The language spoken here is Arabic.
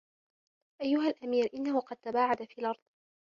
أَيُّهَا الْأَمِيرُ إنَّهُ قَدْ تَبَاعَدَ فِي الْأَرْضِ